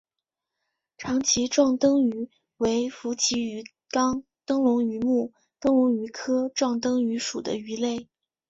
长鳍壮灯鱼为辐鳍鱼纲灯笼鱼目灯笼鱼科壮灯鱼属的鱼类。